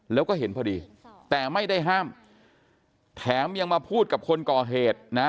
แล้วก็เห็นพอดีแต่ไม่ได้ห้ามแถมยังมาพูดกับคนก่อเหตุนะ